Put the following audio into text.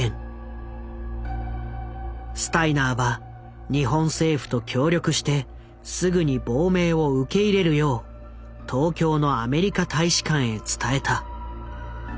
スタイナーは日本政府と協力してすぐに亡命を受け入れるよう東京のアメリカ大使館へ伝えた。